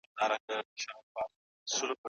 کنټرول نه شوې ویره ژوند د خوښۍ وړ نه کوي.